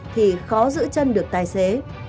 thì khó giữ chân được tài xế